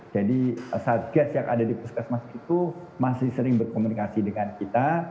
jadi sargas yang ada di puskesmas itu masih sering berkomunikasi dengan kita